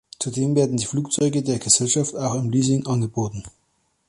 Zudem werden die Flugzeuge der Gesellschaft auch im Leasing angeboten.